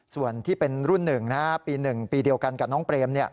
ส่วนที่เป็นรุ่น๑ปี๑ปีเดียวกันกับน้องเปรม